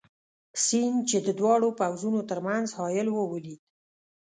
سیند، چې د دواړو پوځونو تر منځ حایل وو، ولید.